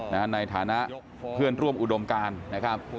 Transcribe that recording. ในฐานะเพื่อนร่วมอุดมการนะครับ